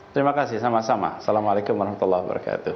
terima kasih sama sama assalamualaikum warahmatullahi wabarakatuh